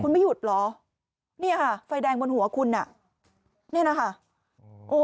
คุณไม่หยุดเหรอเนี่ยค่ะไฟแดงบนหัวคุณอ่ะเนี่ยนะคะโอ้